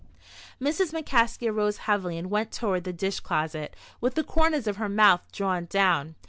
Mrs. McCaskey arose heavily, and went toward the dish closet, with the corners of her mouth drawn down.